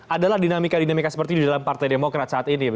adalah dinamika dinamika seperti di dalam partai demokrat saat ini